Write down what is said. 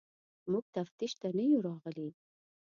موږ تفتیش ته نه یو راغلي.